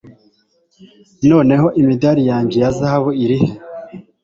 Noneho imidari yanjye ya zahabu irihe